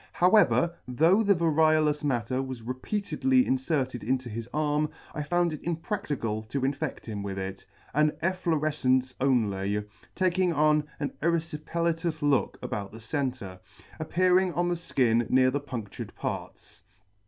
However, though the variolous matter was re C peatedly C >°] peatedly inferted into his arm, I found it impracticable to infedt him with it ; an efflorefcence only, taking on an ervfipelatous look about the centre, appearing on the ikin near the pundtured parts.